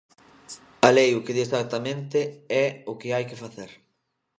A lei o que di exactamente é o que hai que facer.